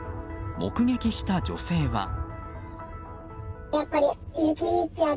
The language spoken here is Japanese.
目撃した女性は。